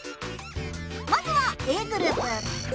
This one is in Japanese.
まずはＡグループ。